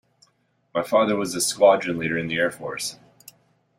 My father was a Squadron Leader in the Air Force